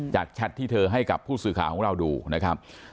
จัดชัดที่เธอให้กับผู้สืขาของเราดูครับ